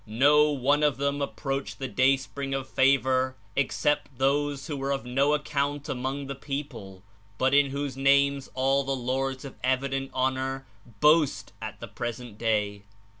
No one of them ap proached the Day spring of Favor except those w^ho were of no account among the people, but in whose names all the lords of evident honor boast at the pres ent day.